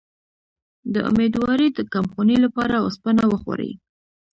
د امیدوارۍ د کمخونی لپاره اوسپنه وخورئ